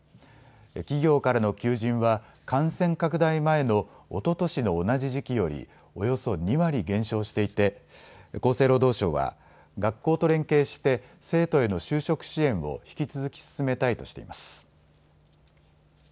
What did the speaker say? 企業からの求人は感染拡大前のおととしの同じ時期よりおよそ２割減少していて厚生労働省は学校と連携して生徒への就職支援を引き続き進めたいとしています。